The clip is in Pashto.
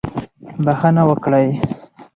بښنه وکړئ.